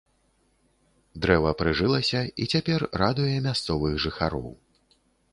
Дрэва прыжылася і цяпер радуе мясцовых жыхароў.